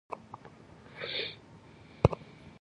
It is structured in sixty chapters.